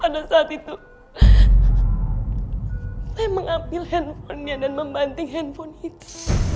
pada saat itu saya mengambil handphonenya dan membanting handphone itu